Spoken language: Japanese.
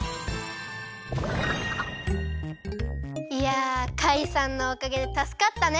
いやカイさんのおかげでたすかったね。